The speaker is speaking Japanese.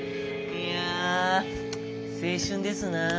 いやあ青春ですなあ。